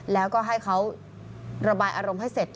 แล้วก็ให้เขาระบายอารมณ์ให้เสร็จ